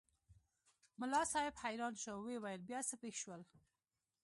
ملا صاحب حیران شو وویل بیا څه پېښ شول؟